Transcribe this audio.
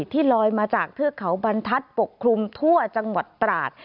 ที่ลอยมาจากเทือกเขาบรรทัศน์ปกคลุมทั่วจังหวัดตราด